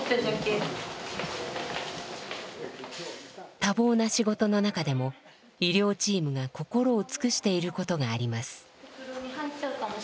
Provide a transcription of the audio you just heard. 多忙な仕事の中でも医療チームが心を尽くしていることがあります。